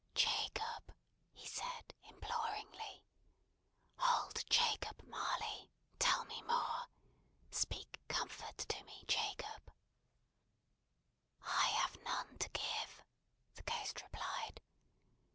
"Jacob," he said, imploringly. "Old Jacob Marley, tell me more. Speak comfort to me, Jacob!" "I have none to give," the Ghost replied.